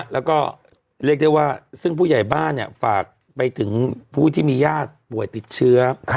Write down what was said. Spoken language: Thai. แล้วก็เรียกได้ว่าซึ่งผู้ใหญ่บ้านฝากไปถึงผู้ที่มีญาติป่วยติดเชื้อ